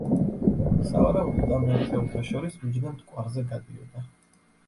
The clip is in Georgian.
სავარაუდოდ ამ ერთეულთა შორის მიჯნა მტკვარზე გადიოდა.